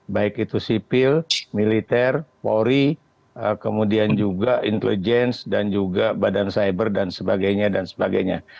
baik itu sipil militer polri kemudian juga intelijen dan juga badan cyber dan sebagainya dan sebagainya